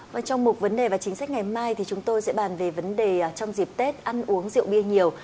và trong mục vấn đề và chính sách ngày mai thì chúng tôi sẽ bàn về vấn đề trong dịp tết ăn uống rượu bia nhiều